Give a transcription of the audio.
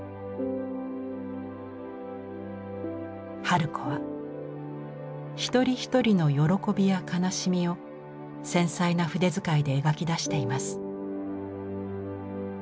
春子は一人一人の喜びや悲しみを繊細な筆遣いで描き出しています。